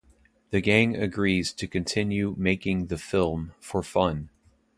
The gang agrees to continue making the film for fun.